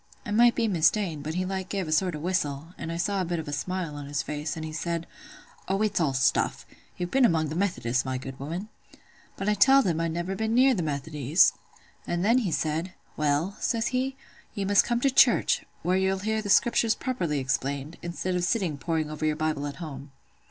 I might be mista'en—but he like gave a sort of a whistle, and I saw a bit of a smile on his face; and he said, 'Oh, it's all stuff! You've been among the Methodists, my good woman.' But I telled him I'd never been near the Methodies. And then he said,—'Well,' says he, 'you must come to church, where you'll hear the Scriptures properly explained, instead of sitting poring over your Bible at home.